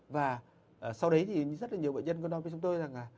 và sau đấy thì rất là nhiều bệnh nhân có nói với chúng tôi rằng là